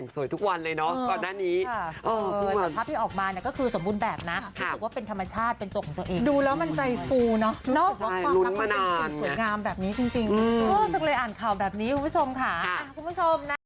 สวยงามแบบนี้จริงชอบจังเลยอ่านข่าวแบบนี้คุณผู้ชมค่ะ